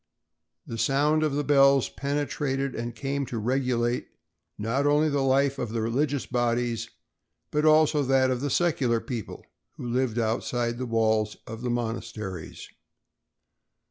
The sound of the bells penetrated and came to regulate not only the life of the religious bodies but also that of the secular people who lived outside the walls of the monasteries.